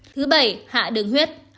thứ bảy hạ đường huyết